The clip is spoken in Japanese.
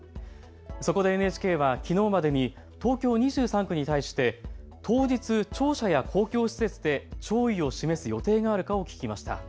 そこでＮＨＫは、きのうまでに東京２３区に対して当日、庁舎や公共施設で弔意を示す予定があるかを聞きました。